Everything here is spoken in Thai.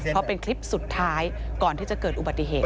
เพราะเป็นคลิปสุดท้ายก่อนที่จะเกิดอุบัติเหตุ